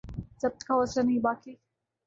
ضبط کا حوصلہ نہیں باقی